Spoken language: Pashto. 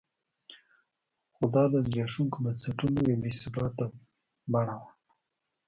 خو دا د زبېښونکو بنسټونو یوه بې ثباته بڼه وه.